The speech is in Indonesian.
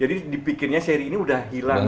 jadi dipikirnya seri ini udah hilang